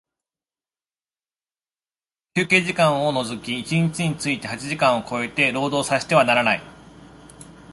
休憩時間を除き一日について八時間を超えて、労働させてはならない。